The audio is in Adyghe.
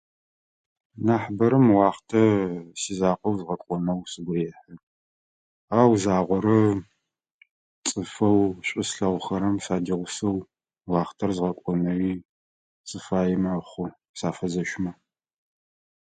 Нахь бэрэм уахътэ сизакъоу згъэкӏонэу сыгу рехьы. Ау загъорэ цӏыфэу шӏу слъэгъухэрэм садигъусэу уахътэ згъэкӏонэуи сыфае мэхъу, сафэзэщы мэ.